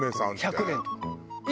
１００年とか。